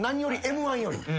Ｍ−１より。